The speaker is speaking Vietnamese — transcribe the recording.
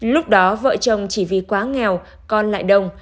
lúc đó vợ chồng chỉ vì quá nghèo con lại đồng